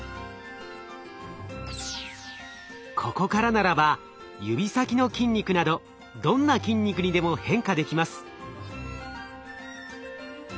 ここからならば指先の筋肉などどんな筋肉にでも変化できます。